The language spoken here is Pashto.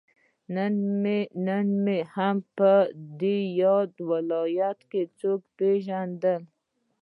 نه مې هم په ياد ولايت کې څوک پېژندل.